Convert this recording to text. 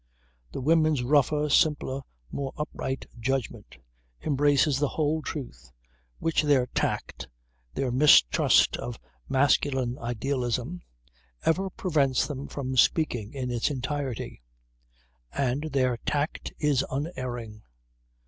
The women's rougher, simpler, more upright judgment, embraces the whole truth, which their tact, their mistrust of masculine idealism, ever prevents them from speaking in its entirety. And their tact is unerring.